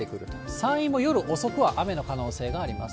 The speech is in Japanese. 山陰も夜遅くは雨の可能性があります。